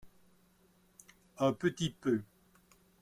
un petit peu.